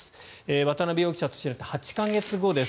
渡邉容疑者と知り合って８か月後です。